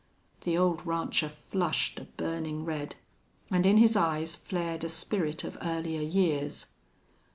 The old rancher flushed a burning red, and in his eyes flared a spirit of earlier years.